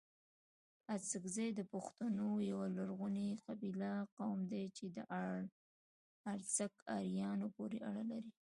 اڅکزي دپښتونو يٶه لرغوني قبيله، قوم دئ چي د ارڅک اريانو پوري اړه لري